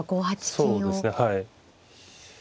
そうですねはい。